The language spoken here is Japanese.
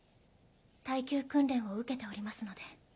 耐久訓練を受けておりますので。